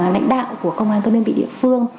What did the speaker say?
lãnh đạo của công an các đơn vị địa phương